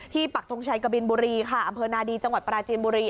ปักทงชัยกบินบุรีค่ะอำเภอนาดีจังหวัดปราจีนบุรี